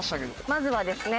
まずはですね